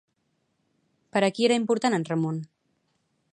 Per a qui era important en Ramon?